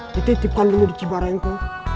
dititipkan dulu di cibarengko